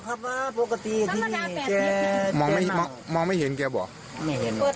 ก็ครับว่าปกติที่นี่มองไม่เห็นแกบอก